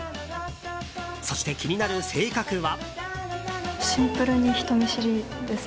そして、気になる性格は。